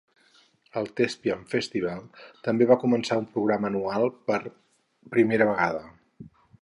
El Thespian Festival també va començar un programa anual per primera vegada.